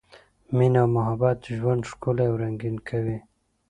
مینه او محبت ژوند ښکلی او رنګین کوي.